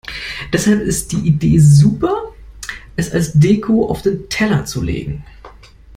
Deshalb ist die Idee super, es als Deko auf den Teller zu legen.